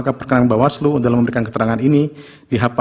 bapak ibu terima kasih